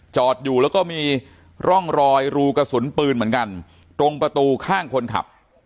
จอดอยู่แล้วก็มีร่องรอยรูกระสุนปืนเหมือนกันตรงประตูข้างคนขับ